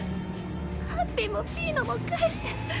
ハッピーもピーノも返して。